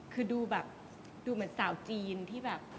คือดูแบบเจ้าจีนที่แบบ